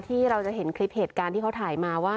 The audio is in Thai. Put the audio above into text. ที่เราจะเห็นคลิปเหตุการณ์ที่เขาถ่ายมาว่า